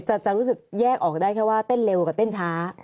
จะรู้สึกแยกออกได้แค่ว่าเต้นเร็วกับเต้นช้า